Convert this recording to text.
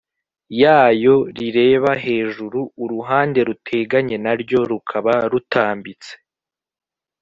yayo rireba hejuru uruhande ruteganye naryo rukaba rutambitse